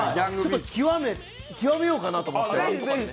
究めようかなと思って。